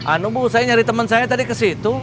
anu bu saya nyari teman saya tadi ke situ